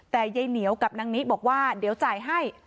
แต่ยายเหนียวกับนางนิบอกว่าเดี๋ยวจ่ายให้